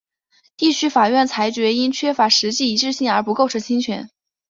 地区法院裁决因缺乏实际一致性而不构成侵权。